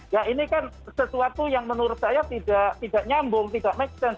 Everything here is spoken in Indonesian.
ya ini kan sesuatu yang menurut saya tidak nyambung tidak make sense